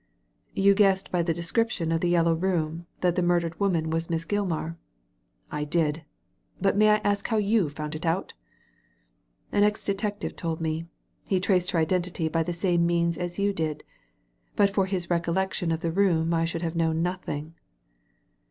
"You guessed by the description of the yellow room that the murdered woman was Miss Gilmar." " I did ! But may I ask how you found it out? "" An ex detective told me. He traced her identity by the same means as you did. But for his recollection of the room I should have known nothing."